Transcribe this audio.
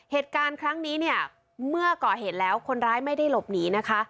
เหตุการณ์ครั้งนี้เนี่ยเมื่อก่อเหตุแล้วคนร้ายไม่ได้หลบหนีนะคะ